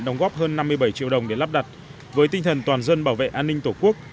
đóng góp hơn năm mươi bảy triệu đồng để lắp đặt với tinh thần toàn dân bảo vệ an ninh tổ quốc